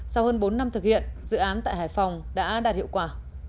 sau hơn bốn năm thực hiện dự án tại hải phòng đã đạt hiệu quả